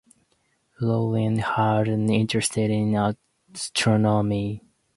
Llewelyn had an interest in astronomy.